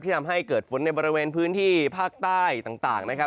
ทำให้เกิดฝนในบริเวณพื้นที่ภาคใต้ต่างนะครับ